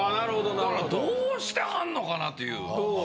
だからどうしてはんのかなという。